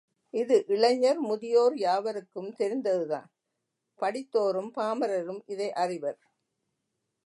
இது இளைஞர் முதியோர் யாவருக்கும் தெரிந்ததுதான் படித்தோரும் பாமரரும் இதை அறிவர்.